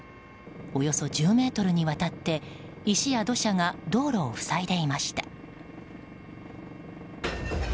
およそ１０ｍにわたって石や土砂が道路を塞いでいました。